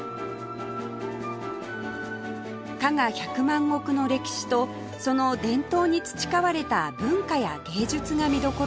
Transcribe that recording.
加賀百万石の歴史とその伝統に培われた文化や芸術が見どころです